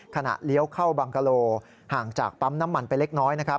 เลี้ยวเข้าบังกะโลห่างจากปั๊มน้ำมันไปเล็กน้อย